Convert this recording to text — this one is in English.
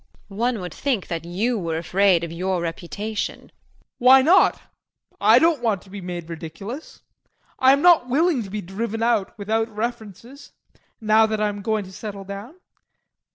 JULIE. One would think that you were afraid of your reputation. JEAN. Why not? I don't want to be made ridiculous. I am not willing to be driven out without references, now that I am going to settle down.